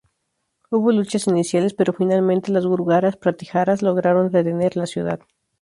Hubo luchas iniciales, pero finalmente los gurjaras-pratiharas lograron retener la ciudad.